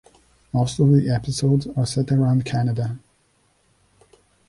Most of the episodes are set around Canada.